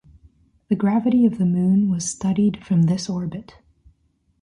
The gravity of the Moon was studied from this orbit.